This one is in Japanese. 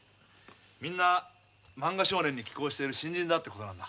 みんな「漫画少年」に寄稿している新人だってことなんだ。